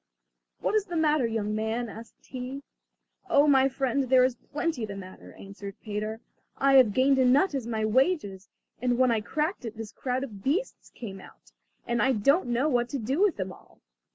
"What is the matter, young man?" asked he. "Oh, my friend, there is plenty the matter," answered Peter. "I have gained a nut as my wages, and when I cracked it this crowd of beasts came out, and I don't know what to do with them all!"